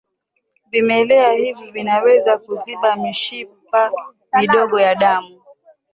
vimelea hivi vinaweza kuziba mishipa midogo ya damu